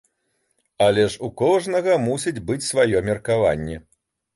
Але ж у кожнага мусіць быць сваё меркаванне.